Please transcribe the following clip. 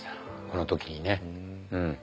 この時にね。